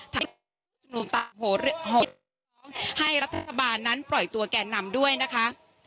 ถามกลุ่มตามห่วงให้รัฐบาลนั้นปล่อยตัวแกนนำด้วยนะคะ